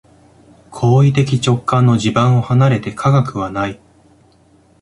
行為的直観の地盤を離れて科学はない。